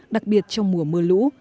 đặc biệt trong mùa mưa lũ